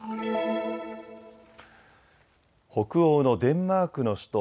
北欧のデンマークの首都